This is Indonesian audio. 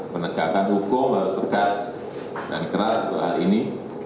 penegakan hukum harus tegas dan keras untuk hal ini